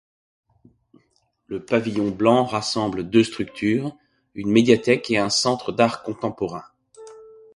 Le Pavillon Blanc rassemble deux structures, une médiathèque et un Centre d'art contemporain.